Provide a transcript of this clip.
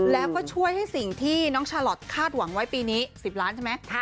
แล้วก็ช่วยให้สิ่งที่น้องชาลอทคาดหวังไว้ปีนี้๑๐ล้านใช่ไหม